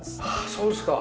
そうですか。